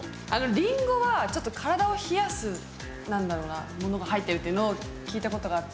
りんごはちょっと体を冷やすなんだろうなものが入ってるっていうのを聞いた事があって。